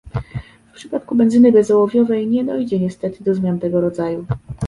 W przypadku benzyny bezołowiowej nie dojdzie niestety do zmian tego rodzaju